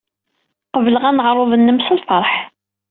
Qebleɣ aneɛṛuḍ-nnem s lfeṛḥ.